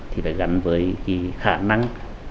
thì phải gắn với khả năng